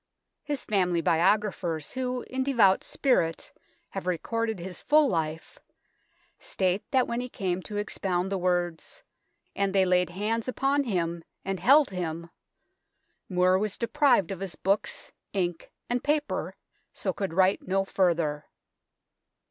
His family biographers, who, in devout spirit, have recorded his full life, state that when he came to expound the words, " and they laid hands upon Him, and held Hun," More was deprived of his books, ink, and paper, so could write no further.